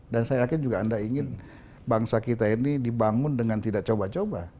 dan saya yakin anda juga ingin bangsa kita ini dibangun dengan tidak coba coba